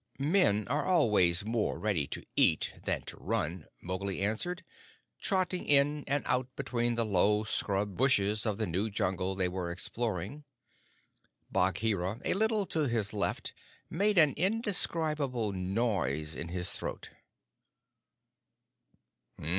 "Men are always more ready to eat than to run," Mowgli answered, trotting in and out between the low scrub bushes of the new Jungle they were exploring. Bagheera, a little to his left, made an indescribable noise in his throat.